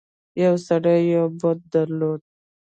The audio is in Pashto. یو سړي یو بت درلود.